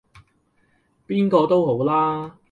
邊個都好啦